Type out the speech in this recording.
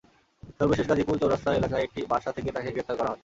সর্বশেষ গাজীপুর চৌরাস্তা এলাকার একটি বাসা থেকে তাঁকে গ্রেপ্তার করা হয়।